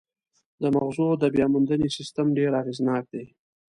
د مغزو د بیاموندنې سیستم ډېر اغېزناک دی.